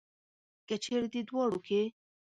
که چېرې دې دواړو کې.